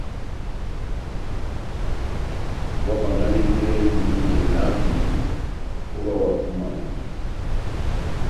Óhábánganedɛhɛ idímiyɛ lambi ó ová ohápúmanɔ !